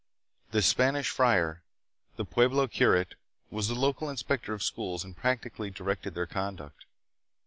The Spanish friar, the pueblo curate, was the local inspector of schools and practically directed their conduct.